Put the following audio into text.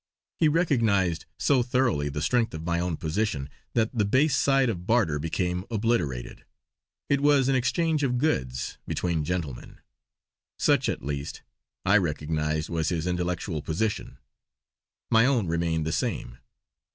He recognised so thoroughly the strength of my own position, that the base side of barter became obliterated; it was an exchange of goods between gentlemen. Such, at least, I recognised was his intellectual position; my own remained the same.